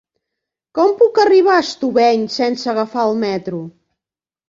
Com puc arribar a Estubeny sense agafar el metro?